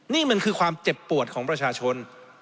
นี่มันคือความเจ็บปวดของประชาชน